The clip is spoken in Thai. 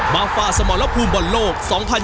มาฟาสมรพภูมิบนโลก๒๐๒๒